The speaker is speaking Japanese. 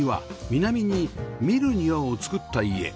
南に「見る庭」を造った家